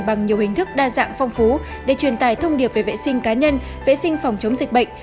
bằng nhiều hình thức đa dạng phong phú để truyền tải thông điệp về vệ sinh cá nhân vệ sinh phòng chống dịch bệnh